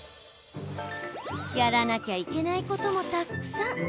やらなきゃいけないこともたくさん！